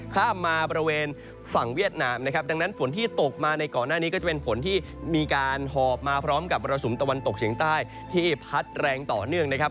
ข้ามมาบริเวณฝั่งเวียดนามนะครับดังนั้นฝนที่ตกมาในก่อนหน้านี้ก็จะเป็นฝนที่มีการหอบมาพร้อมกับมรสุมตะวันตกเฉียงใต้ที่พัดแรงต่อเนื่องนะครับ